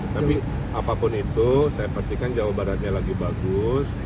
tapi apapun itu saya pastikan jawa baratnya lagi bagus